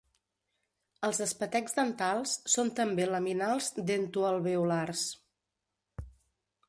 Els espetecs dentals són també laminals dento-alveolars.